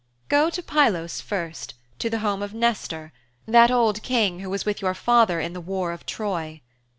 Go to Pylos first, to the home of Nestor, that old King who was with your father in the war of Troy.